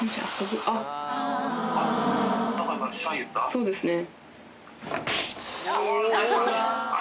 そうですね。